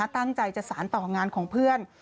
ตั้งใจจะสารต่องานของเพื่อน